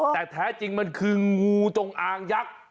แต่แท้จริงมันคืองูจงอางยักษ์